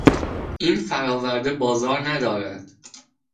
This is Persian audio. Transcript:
این فراورده بازار ندارد.